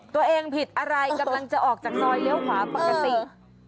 ตัวเองผิดอะไรกำลังจะออกจากซอยเลี้ยวขวาปกติ